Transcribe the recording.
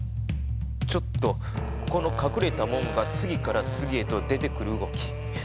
ちょっとこの隠れたもんが次から次へと出てくる動き